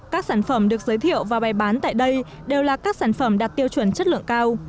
các sản phẩm được giới thiệu và bày bán tại đây đều là các sản phẩm đạt tiêu chuẩn chất lượng cao